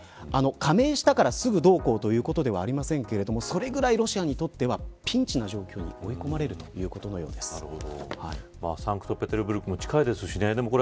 加盟したからすぐどうこうということではありませんがそれぐらい、ロシアにとってはピンチな状況に追い込まれるサンクトペテルブルクも近いですしね。